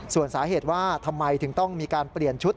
ส่วนสาเหตุว่าทำไมถึงต้องมีการเปลี่ยนชุด